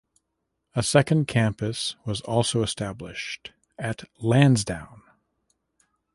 A second campus was also established, at Lansdowne.